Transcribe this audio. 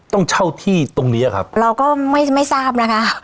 ต้องเช่าที่ตรงเนี้ยครับเราก็ไม่ไม่ทราบนะคะ